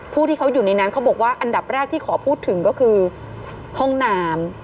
ผู้ที่เขาอยู่ในนั้นเขาบอกว่าอันดับแรกที่ขอพูดถึงก็คือห้องน้ำ